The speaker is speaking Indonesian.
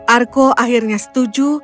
arko akhirnya setuju